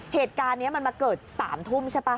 เหตุการณ์นี้มันมาเกิด๓ทุ่มใช่ป่ะ